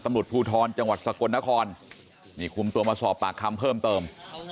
ตำรวจภูทรจังหวัดสกลนครนี่คุมตัวมาสอบปากคำเพิ่มเติม